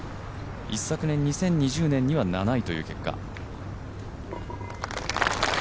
一昨年、２０２０年には７位という結果。